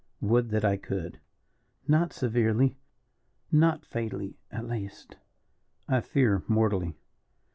"Would that I could." "Not severely not fatally, at least?" "I fear mortally."